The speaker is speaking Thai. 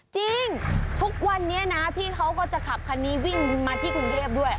จริงทุกวันนี้นะพี่เขาก็จะขับคันนี้วิ่งมาที่กรุงเทพด้วย